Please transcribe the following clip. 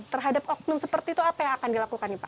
terhadap oknum seperti itu apa yang akan dilakukan nih pak